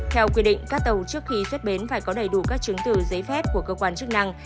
theo quy định các tàu trước khi xuất bến phải có đầy đủ các chứng từ giấy phép của cơ quan chức năng